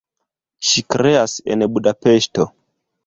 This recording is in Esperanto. Ŝi kreas en Budapeŝto.